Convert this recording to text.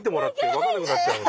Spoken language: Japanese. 分かんなくなっちゃう。